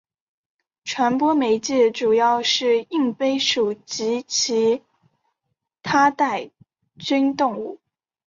传播媒介主要是硬蜱属及其它带菌动物。